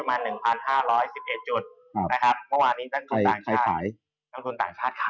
เมื่อวานนี้ตลาดหุ้นไทยปิดลบไป๑๐จุด